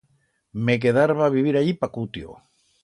Me quedarba a vivir allí pa cutio.